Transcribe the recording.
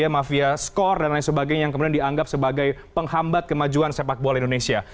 mafia skor dan lain sebagainya yang kemudian dianggap sebagai penghambat kemajuan sepak bola indonesia